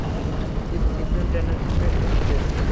Chief, signal transmit হচ্ছে।